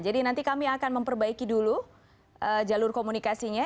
jadi nanti kami akan memperbaiki dulu jalur komunikasinya